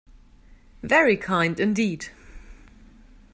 Very kind indeed.